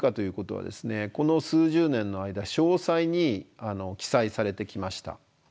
この数十年の間詳細に記載されてきました。